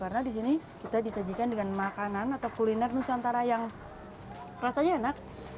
karena di sini kita disajikan dengan makanan atau kuliner nusantara yang rasanya enak